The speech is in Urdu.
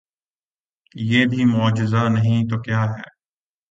یہ بھی معجزہ نہیں تو کیا ہے؟